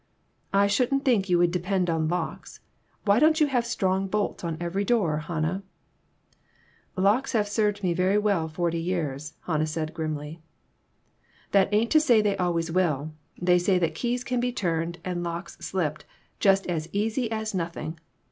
"I shouldn't think you would depend on locks. Why don't you have strong bolts on every door, Hannah ?" "Locks have served me very well forty years," Hannah said, grimly. "That ain't to say they always will. They say that keys can be turned, and locks slipped just as easy as nothing.